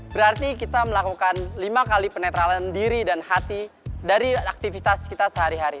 berarti kita melakukan lima kali penetralan diri dan hati dari aktivitas kita sehari hari